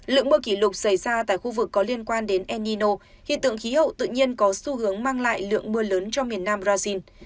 lượng mưa kỷ lục xảy ra tại khu vực có liên quan đến enino hiện tượng khí hậu tự nhiên có xu hướng mang lại lượng mưa lớn cho miền nam brazil